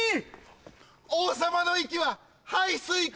王様の息は排水口！